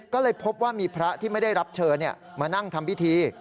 ก็เลยพบว่ามีพระที่ไม่ได้รับเชิญมานั่งทำพิธี